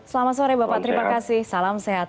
selamat sore bapak terima kasih salam sehat